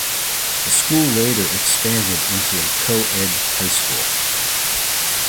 The school later expanded into a co-ed high school.